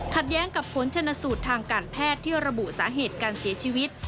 แย้งกับผลชนสูตรทางการแพทย์ที่ระบุสาเหตุการเสียชีวิต